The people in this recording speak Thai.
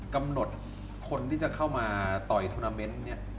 กำหนดคนที่จะเข้ามาต่อยทุนาเมนต์เนี่ย